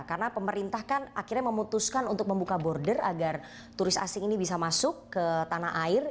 karena pemerintah kan akhirnya memutuskan untuk membuka border agar turis asing ini bisa masuk ke tanah air